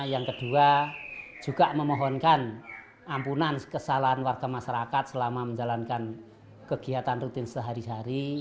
yang kedua juga memohonkan ampunan kesalahan warga masyarakat selama menjalankan kegiatan rutin sehari hari